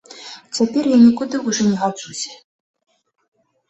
Цяпер я нікуды ўжо не гаджуся.